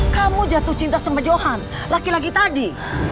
kamu jatuh cinta sama johan laki laki tadi